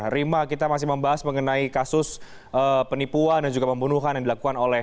rima kita masih membahas mengenai kasus penipuan dan juga pembunuhan yang dilakukan oleh